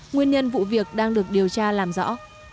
nguyên nhân vụ việc đang được điều tra làm rõ